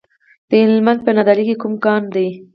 د هلمند په نادعلي کې کوم کان دی؟